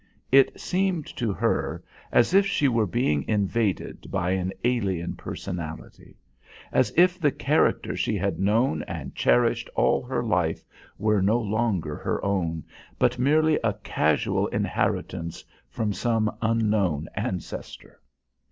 It seemed to her as if she were being invaded by an alien personality; as if the character she had known and cherished all her life were no longer her own, but merely a casual inheritance from some unknown ancestor.